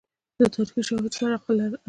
زه د تاریخي شواهدو سره علاقه لرم.